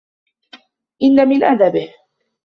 إنَّ مِنْ أَدَبِهِ